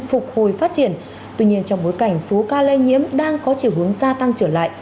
phục hồi phát triển tuy nhiên trong bối cảnh số ca lây nhiễm đang có chiều hướng gia tăng trở lại